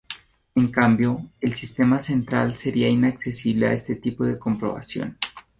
En cambio el "sistema central" sería inaccesible a este tipo de comprobación.